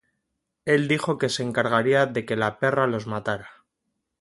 Él dijo que se encargaría de que la "perra" los matara.